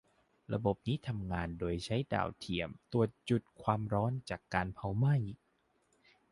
ระบบนี้ทำงานโดยการใช้ดาวเทียมตรวจจุดความร้อนจากการเผาไหม้